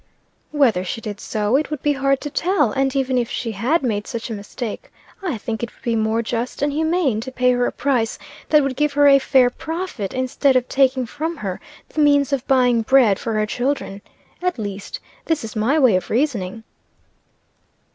"Whether she did so, it would be hard to tell; and even if she had made such a mistake, I think it would be more just and humane to pay her a price that would give her a fair profit, instead of taking from her the means of buying bread for her children. At least, this is my way of reasoning."